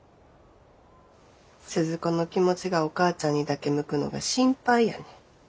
鈴子の気持ちがお母ちゃんにだけ向くのが心配やねん。